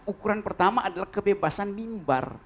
ukuran pertama adalah kebebasan mimbar